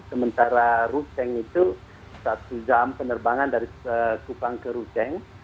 sementara ruteng itu satu jam penerbangan dari kupang ke ruteng